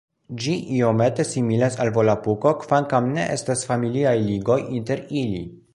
Ĝi iomete similas al Volapuko kvankam ne estas familiaj ligoj inter ili.